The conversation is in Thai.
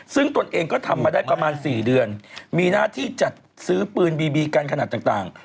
ซึ่งตนเองก็ทำมาได้ประมาณ๔เดือนมีหน้าที่จัดซื้อปืนบีบีกันขนาดต่าง